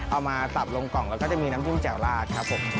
มาสับลงกล่องแล้วก็จะมีน้ำจิ้มแจ่วลาดครับผม